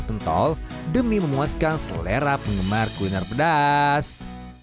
pentol demi memuaskan sehat dan keringan kaki dan kaki yang diperlukan untuk mencoba untuk mencoba